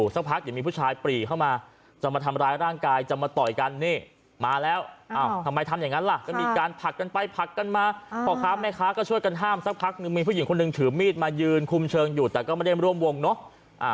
ซับคักมีผู้หญิงคนหนึ่งถือมีดมายืนคุมเชิงอยู่แต่ก็ไม่ได้ร่วมวงเนอะ